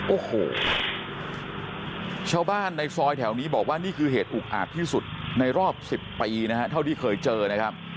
โอ้โหชาวบ้านในซอยแถวนี้บอกว่านี่คือเหตุอุกอาจที่สุดในรอบ๑๐ปีนะฮะเท่าที่เคยเจอนะครับ